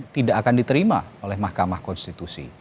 tidak akan diterima oleh mahkamah konstitusi